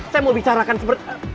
saya mau bicara seperti